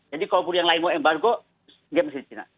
jadi kalaupun yang lain mau embargo dia masih di china